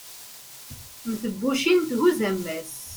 mm tebbucin thuzz ammas